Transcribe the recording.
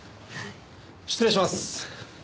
失礼します。